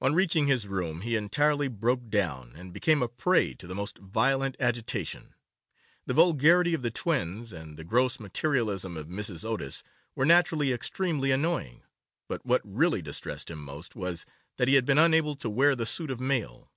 On reaching his room he entirely broke down, and became a prey to the most violent agitation. The vulgarity of the twins, and the gross materialism of Mrs. Otis, were naturally extremely annoying, but what really distressed him most was, that he had been unable to wear the suit of mail.